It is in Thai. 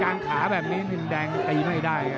การขาแบบนี้นิดแรงตายไม่ได้